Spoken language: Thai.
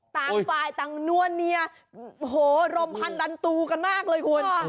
ต่างฝ่ายต่างนัวเนียโอ้โหรมพันลันตูกันมากเลยคุณ